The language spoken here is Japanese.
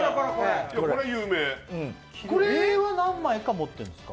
これは何枚か持っているんですか？